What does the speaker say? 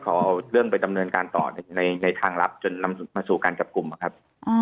ขอเอาเรื่องไปดำเนินการต่อในทางลับจนนำมาสู่การจับกลุ่มนะครับ